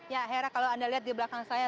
ya hera kalau anda lihat di belakang saya